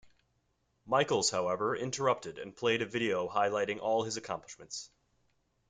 Michaels, however, interrupted and played a video highlighting all his accomplishments.